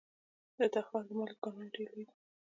د تخار د مالګې کانونه ډیر لوی دي